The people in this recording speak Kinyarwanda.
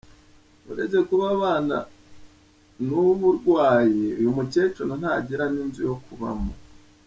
Uretse kuba abana n’ubu burwayi, uyu mukecuru ntagira n’inzu yo kubamo.